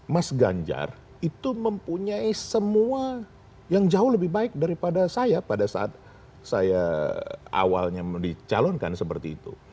mas ganjar itu mempunyai semua yang jauh lebih baik daripada saya pada saat saya awalnya dicalonkan seperti itu